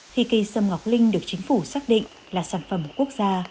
khi cây sâm ngọc linh được chính phủ xác định là sản phẩm quốc gia